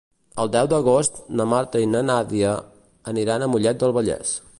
El deu d'agost na Marta i na Nàdia aniran a Mollet del Vallès.